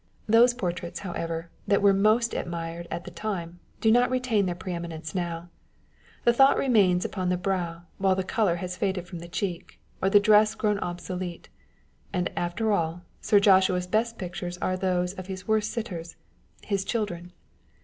Those portraits, however, that were most admired at the time, do not retain their pre eminence now : the thought remains upon the brow, while the colour has faded from the cheek, or the dress grown obsolete ; and after all, Sir Joshua's best pictures arc those of his worst sitters â€" Ins children.